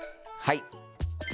はい。